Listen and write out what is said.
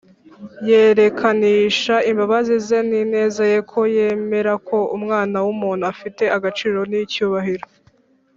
yerekanisha imbabazi ze n’ineza ye ko yemera ko umwana w’umuntu afite agaciro n’icyubahiro,